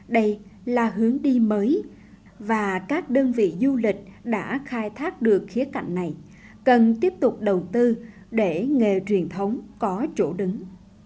đây là hướng đi mới và các đơn vị du lịch đã khai thác được khía cạnh này cần tiếp tục đầu tư để nghề truyền thống có chỗ đứng